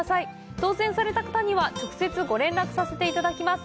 当せんされた方には直接ご連絡させていただきます。